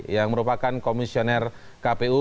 yang merupakan komisioner kpu